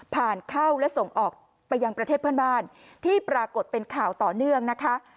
เข้าและส่งออกไปยังประเทศเพื่อนบ้านที่ปรากฏเป็นข่าวต่อเนื่องนะคะ